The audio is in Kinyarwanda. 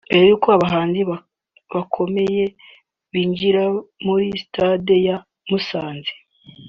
Mbere y’uko abahanzi bakomeye binjira muri stade ya Musanze